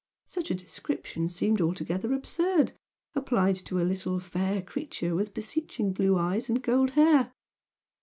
Such a description seemed altogether absurd, applied to a little fair creature with beseeching blue eyes and gold hair!